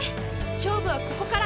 勝負はここから！